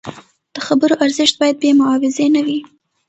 د خبرو ارزښت باید بې معاوضې نه وي.